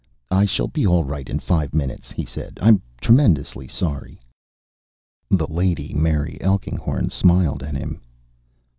"I shall be all right in five minutes," he said. "I'm tremendously sorry " The Lady Mary Elkinghorn smiled at him.